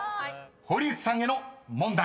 ［堀内さんへの問題］